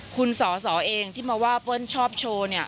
คุณสอสอเองที่มาว่าเปิ้ลชอบโชว์เนี่ย